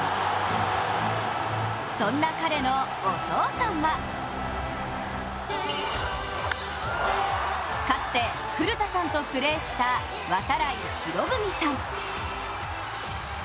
そんな彼のお父さんはかつて古田さんとプレーした渡会博文さん。